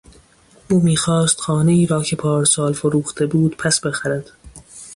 او میخواست خانهای را که پارسال فروخته بود پس بخرد.